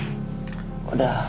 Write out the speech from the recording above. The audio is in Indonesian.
bapak sudah sadar